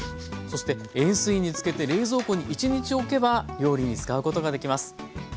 そして塩水に漬けて冷蔵庫に１日おけば料理に使うことができます。